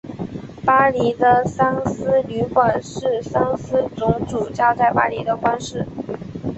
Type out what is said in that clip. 巴黎的桑斯旅馆是桑斯总主教在巴黎的官邸。